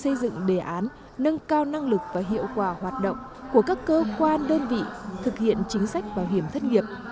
xây dựng đề án nâng cao năng lực và hiệu quả hoạt động của các cơ quan đơn vị thực hiện chính sách bảo hiểm thất nghiệp